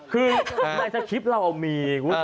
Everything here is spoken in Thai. คือในสคริปต์เรามีคุณผู้ชม